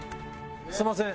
すみません